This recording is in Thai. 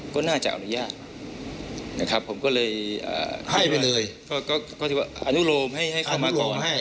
ก็จะอนุโลมให้เข้ามาก่อน